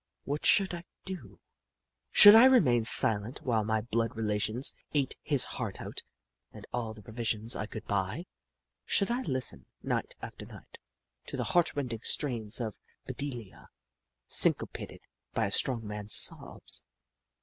What should I do ? Should I remain silent, while my blood rela tion ate his heart out and all the provisions I Hoop La 159 could buy ? Should I listen, night after night, to the heartrending strains of Bedelia, syn copated by a strong man's sobs